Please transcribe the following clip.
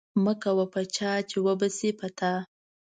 مکوه په چاه چې و به سي په تا.